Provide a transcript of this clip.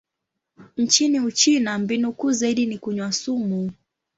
Nchini Uchina, mbinu kuu zaidi ni kunywa sumu.